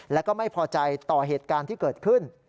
แล้วก็ไม่พอใจต่อเหตุการณ์ที่เกิดขึ้น